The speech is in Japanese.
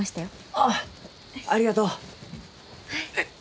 ああありがとう！